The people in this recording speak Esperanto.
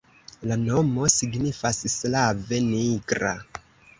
La nomo signifas slave nigra.